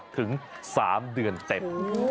ถึง๓เดือนเต็ม